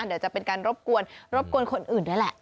เดี๋ยวจะเป็นการรบกวนรบกวนคนอื่นด้วยแหละ